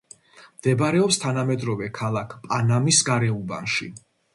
მდებარეობს თანამედროვე ქალაქ პანამის გარეუბანში.